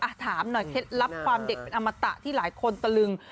ถามหน่อยเคล็ดลับความเด็กเป็นอมตะที่หลายคนตะลึง